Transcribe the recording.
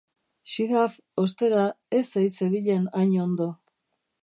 Xihab, ostera, ez ei zebilen hain ondo.